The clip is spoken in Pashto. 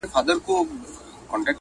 خو کړني يې د افغاني ټولني